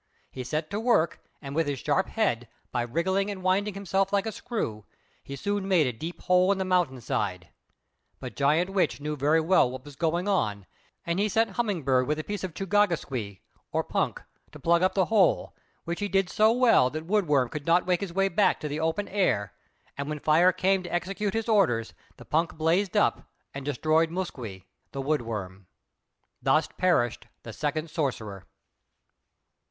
He set to work, and with his sharp head, by wriggling and winding himself like a screw, he soon made a deep hole in the mountain side. But Giant Witch knew very well what was going on, and he sent Humming bird with a piece of "chū gāga sīq'," or punk, to plug up the hole, which he did so well that Wood Worm could not make his way back to the open air, and when Fire came to execute his orders, the punk blazed up and destroyed Moskwe, the Wood Worm. Thus perished the second sorcerer.